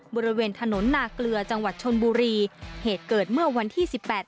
บริเวณถนนนาเกลือจังหวัดชนบุรีเหตุเกิดเมื่อวันที่สิบแปด